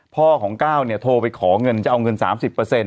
พ่อของเก้าเนี่ยโทรไปขอเงินจะเอาเงินสามสิบเปอร์เซ็นต์